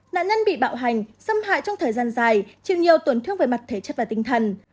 nạn nhân bị bạo hành xâm hại trong thời gian dài trừ nhiều tổn thương về mặt thể chất và tinh thần